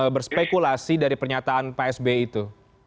berspekulasi dari pernyataan pak s b itu